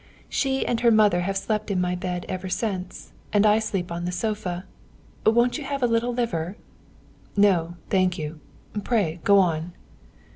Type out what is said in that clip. She and her mother have slept in my bed ever since, and I sleep on the sofa. Won't you have a little liver?" "No, thank you. Pray, go on!"